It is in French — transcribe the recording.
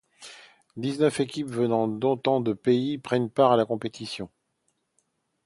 Dix-neuf équipes venant d'autant de pays prennent part à la compétition.